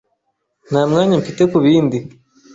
Nta mwanya mfite kubindi.